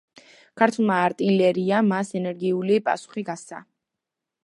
ქართულმა არტილერიამ მას ენერგიული პასუხი გასცა.